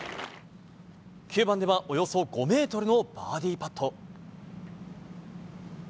９番ではおよそ５ｍのバーディーパット。